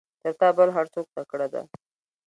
تر تا بل هر څوک تکړه ده.